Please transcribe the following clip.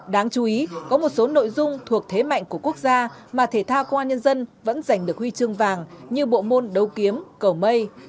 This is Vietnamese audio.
đáng chú ý có một số nội dung thuộc thế mạnh của quốc gia mà thể thao công an nhân dân vẫn giành được huy chương vàng như bộ môn đấu kiếm cầu mây